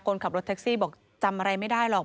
คนขับรถแท็กซี่บอกจำอะไรไม่ได้หรอก